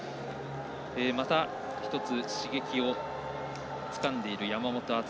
また１つ、刺激をつかんでいる山本篤。